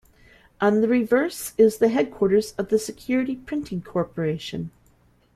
On the reverse is the headquarters of the Security Printing Corporation.